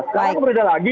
sekarang berbeda lagi